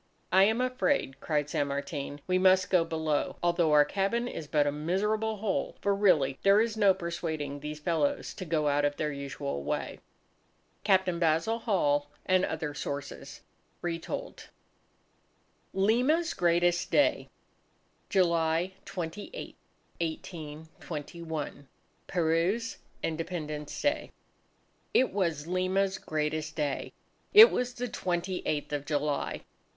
"I am afraid," cried San Martin, "we must go below, although our cabin is but a miserable hole! For really there is no persuading these fellows to go out of their usual way." Captain Basil Hall and Other Sources (Retold) LIMA'S GREATEST DAY July 28, 1821, Peru's Independence Day It was Lima's greatest day. It was the 28th of July.